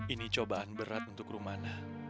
ini cobaan berat untuk rumana